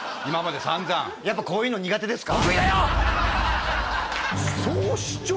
今までさんざんやっぱこういうの苦手ですか？